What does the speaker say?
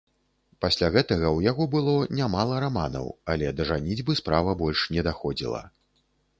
Пасля гэтага ў яго было нямала раманаў, але да жаніцьбы справа больш не даходзіла.